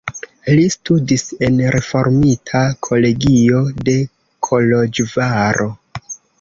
Li studis en reformita kolegio de Koloĵvaro.